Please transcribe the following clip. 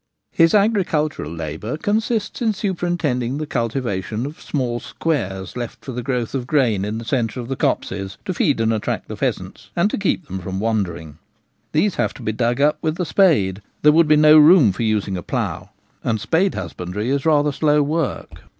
His agricultural labour consists in superintending the cultivation of the small squares left for the growth of grain in the centre of the copses, to feed and attract the pheasants, and to keep them from wandering. These have to be dug up with the spade — there would be no room for using a plough — and spade husbandry is rather slow work.